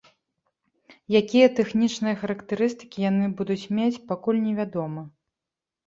Якія тэхнічныя характарыстыкі яны будуць мець, пакуль невядома.